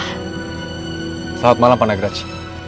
selamat malam pandagraci